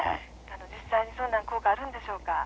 実際にそんな効果あるんでしょうか？